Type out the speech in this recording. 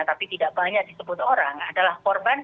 tapi tidak banyak disebut orang adalah korban